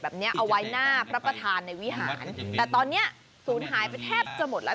แบบนี้เอาไว้หน้าพระประธานในวิหารแต่ตอนเนี้ยศูนย์หายไปแทบจะหมดแล้ว